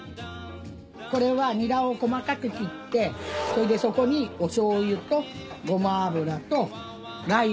これはニラを細かく切ってそれでそこにお醤油とゴマ油とラー油。